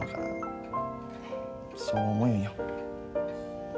そう思うんよ。